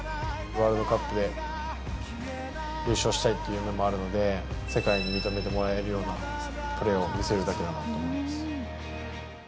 ワールドカップで優勝したいって夢もあるので、世界に認めてもらえるようなプレーを見せるだけなんだと思います。